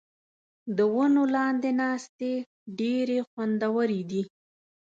د ونو لاندې ناستې ډېرې خوندورې دي.